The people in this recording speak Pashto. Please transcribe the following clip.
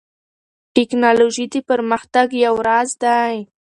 ټیکنالوژي د پرمختګ یو راز دی.